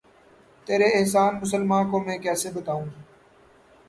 تیرے احسان مسلماں کو میں کیسے بتاؤں